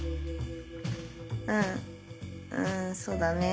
うんうんそうだね。